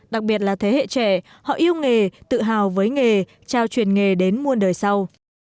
đặc biệt là thế hệ trẻ họ yêu nghề tự hào với nghề trao truyền nghề đến muôn đời sau